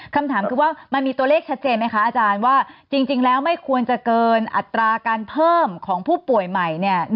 คำถามคือว่ามันมีตัวเลขชัดเจนไหมคะอาจารย์ว่าจริงแล้วไม่ควรจะเกินอัตราการเพิ่มของผู้ป่วยใหม่